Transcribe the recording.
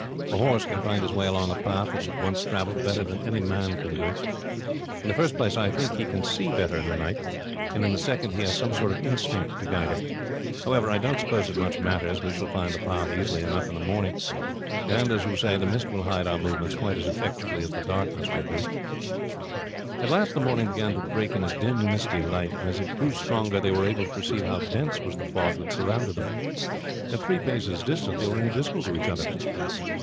"A horse can find his way along a path he has once traveled better than any man can do. In the first place, I think he can see better in the night; and in the second, he has some sort of instinct to guide him. However, I don't suppose it much matters; we shall find the path easily enough in the morning. And, as you said, the mist will hide our movements quite as effectually as the darkness would do." At last the morning began to break in a dim misty light, and as it grew stronger they were able to perceive how dense was the fog that surrounded them. At three paces distant they were invisible to each other.